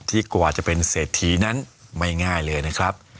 กว่าจะเป็นเศรษฐีนั้นไม่ง่ายเลยนะครับ